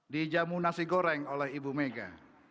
dijamu nasi goreng oleh ibu mega